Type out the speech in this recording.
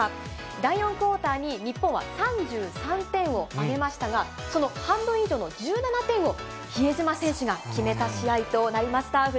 第４クオーターに日本は３３点を挙げましたが、その半分以上の１７点を、比江島選手が決めた試合となりました。